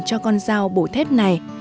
cho con dao bổ thép này